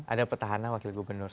ada petahana wakil gubernur